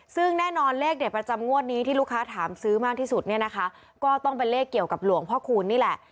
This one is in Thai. ซึ่งแน่นอนเลขเด็ดประจำงวดนี้ที่ลูกค้าถามซื้อมากที่สุดเนี่ยนะคะก็ต้องเป็นเลขเกี่ยวกับหลวงพ่อคูณนี่แหละ